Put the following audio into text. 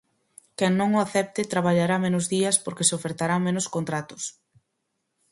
Quen non o acepte, traballará menos días porque se ofertarán menos contratos.